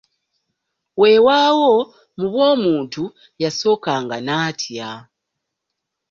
Weewaawo mu bw'omuntu yasookanga n'atya.